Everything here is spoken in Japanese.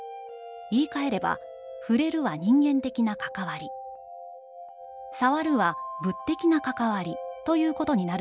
言い換えれば、『ふれる』は人間的なかかわり、『さわる』は物的なかかわり、ということになるでしょう」。